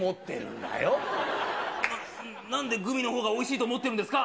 な、なんでグミのほうがおいしいと思ってるんですか？